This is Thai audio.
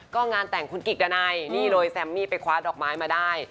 ก็งานแต่งคุณกิจดานัยนี่เลยแซมมี่ไปคว้าดอกไม้มาได้